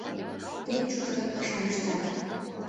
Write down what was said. Тек чотрак пашам ыштат.